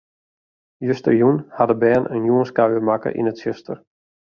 Justerjûn hawwe de bern in jûnskuier makke yn it tsjuster.